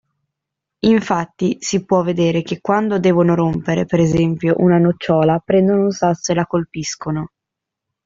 Infatti, si può vedere che quando devono rompere, per esempio, una nocciola prendono un sasso e la colpiscono.